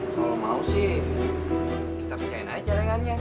kalau mau sih kita pecahin aja celengannya